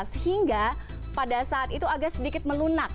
sehingga pada saat itu agak sedikit melunak